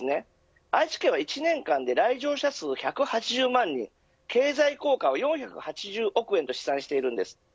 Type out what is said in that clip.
愛知県は１年間で来場者数は１８０万人経済効果は４８０億円と試算しています。